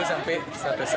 saya berharap bisa